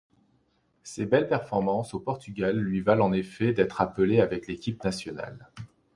Ses belles performances au Portugal, lui valent en effet d'être appelé avec l'équipe nationale.